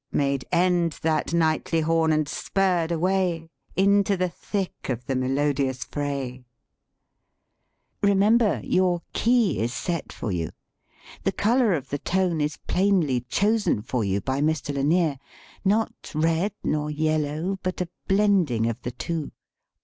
" Made end that knightly horn, and spurred away, Into the thick of the melodious fray." Remember your "key" is set for you; the color of the tone is plainly chosen for you by Mr. Lanier. Not red nor yellow, but a blending of the two.